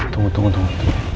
tunggu tunggu tunggu